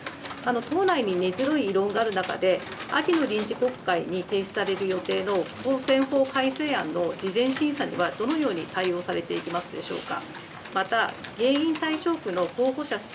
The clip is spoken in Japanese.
党内に根強い異論がある中で、秋の臨時国会に提出される予定の公選法改正案の事前審査にはどのように対応されていきますでしょうか。